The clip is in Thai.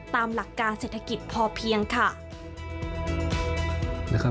ตามหลักการเศรษฐกิจพอเพียงค่ะ